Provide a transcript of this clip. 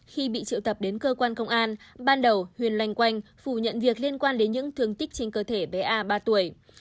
khi bị triệu tập đến cơ quan công an ban đầu huyền lanh quanh phủ nhận việc liên quan đến những thương tích trên cơ thể bé a ba tuổi